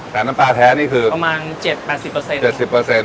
แต่น้ำปลาแท้นี่คือประมาณเจ็ดแปดสิบเปอร์เซ็นต์เจ็ดสิบเปอร์เซ็นต์